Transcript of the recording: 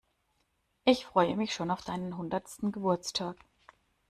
Ich freue mich schon auf deinen hundertsten Geburtstag.